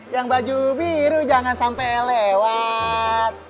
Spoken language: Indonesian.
yang baju biru jangan sampai lewat